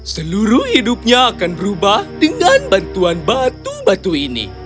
seluruh hidupnya akan berubah dengan bantuan batu batu ini